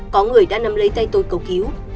có người đã nắm lấy tay tôi cầu cứu